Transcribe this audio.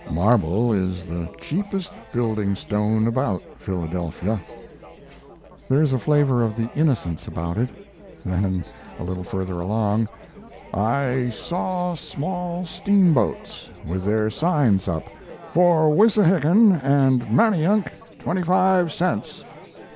Marble is the cheapest building stone about Philadelphia. There is a flavor of the 'Innocents' about it; then a little further along: I saw small steamboats, with their signs up "For Wissahickon and Manayunk 25 cents."